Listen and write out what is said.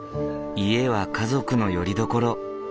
家は家族のよりどころ。